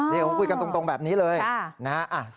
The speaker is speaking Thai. นี่ผมคุยกันตรงแบบนี้เลยนะฮะ